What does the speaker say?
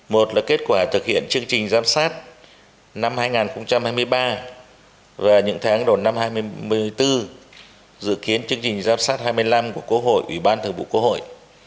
một là kết quả thực hiện chương trình giám sát năm hai nghìn hai mươi ba và những tháng đầu năm hai nghìn một mươi bốn dự kiến chương trình giám sát hai mươi năm của quốc hội ủy ban thường vụ quốc hội